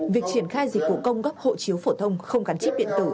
việc triển khai dịch vụ công cấp hộ chiếu phổ thông không gắn chip điện tử